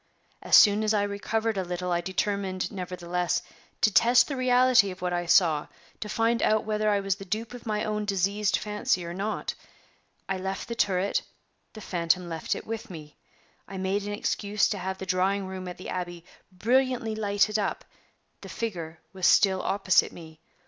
As soon as I recovered a little, I determined, nevertheless, to test the reality of what I saw; to find out whether I was the dupe of my own diseased fancy or not. I left the turret; the phantom left it with me. I made an excuse to have the drawing room at the Abbey brilliantly lighted up; the figure was still opposite me.